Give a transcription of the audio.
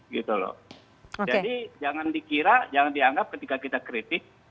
jadi jangan dikira jangan dianggap ketika kita kritis